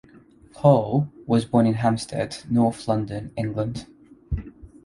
Hall was born in Hampstead, north London, England.